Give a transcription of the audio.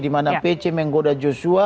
dimana pc menggoda joshua